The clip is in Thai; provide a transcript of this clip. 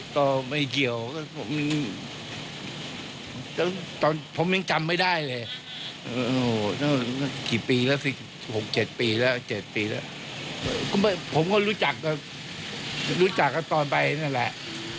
ก็ไม่ผมก็รู้จักกับรู้จักกับตอนไปนั่นแหละ